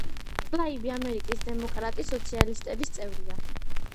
ტლაიბი ამერიკის დემოკრატი სოციალისტების წევრია.